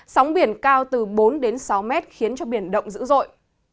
sóng biển cao từ bốn đến sáu mét khiến cho biển động dữ dội